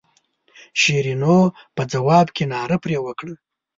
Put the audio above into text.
شیرینو په ځواب کې ناره پر وکړه.